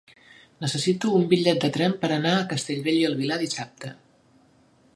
Necessito un bitllet de tren per anar a Castellbell i el Vilar dissabte.